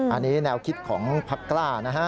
อันนี้แนวคิดของพักกล้านะฮะ